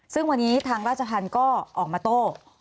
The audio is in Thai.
ซึ่งวันนี้ทางราชธรรมก็ออกมาโต้